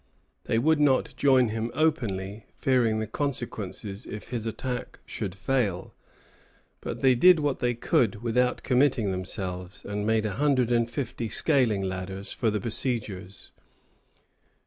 They would not join him openly, fearing the consequences if his attack should fail; but they did what they could without committing themselves, and made a hundred and fifty scaling ladders for the besiegers.